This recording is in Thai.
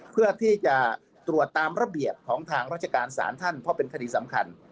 เพื่อที่จะตรวจตามระเบียบของทางราชการศาลท่านเพราะเป็นคดีสำคัญ